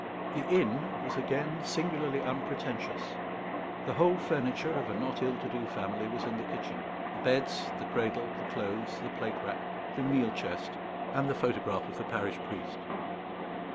The inn was again singularly unpretentious. The whole furniture of a not ill to do family was in the kitchen: the beds, the cradle, the clothes, the plate rack, the meal chest, and the photograph of the parish priest.